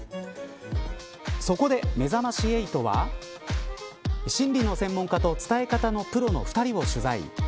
そこで、めざまし８は心理と専門家と伝え方のプロの２人を取材。